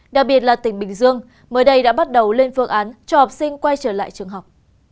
đặc biệt là tỉnh bình dương mới đây đã bắt đầu lên phương án cho học sinh quay trở lại trường học